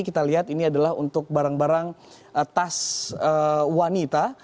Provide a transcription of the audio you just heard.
kita lihat ini adalah untuk barang barang tas wanita